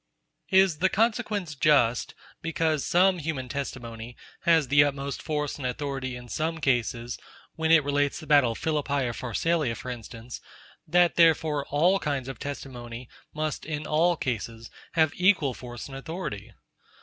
Is the consequence just, because some human testimony has the utmost force and authority in some cases, when it relates the battle of Philippi or Pharsalia for instance; that therefore all kinds of testimony must, in all cases, have equal force and authority?